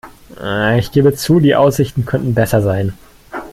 Ich gebe zu, die Aussichten könnten besser sein.